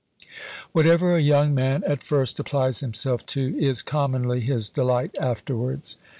"Whatever a young man at first applies himself to is commonly his delight afterwards."